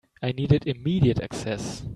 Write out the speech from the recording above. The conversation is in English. I needed immediate access.